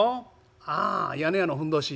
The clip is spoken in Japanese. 「ああ屋根屋のふんどし」。